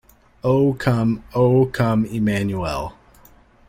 O come O come Emmanuel.